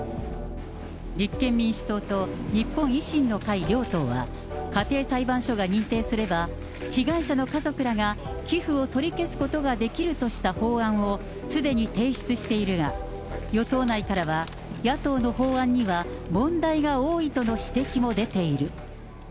立憲民主党と日本維新の会両党は、家庭裁判所が認定すれば、被害者の家族らが寄付を取り消すことができるとした法案を、すでに提出しているが、与党内からは、野党の法案には問題が多いとの指摘も出ている。